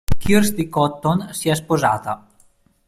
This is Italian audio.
Kirsty Cotton si è sposata.